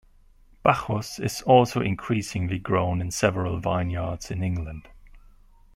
Bacchus is also increasingly grown in several vineyards in England.